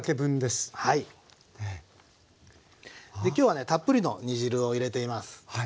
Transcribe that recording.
今日はねたっぷりの煮汁を入れています。